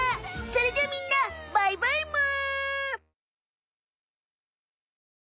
それじゃみんなバイバイむ！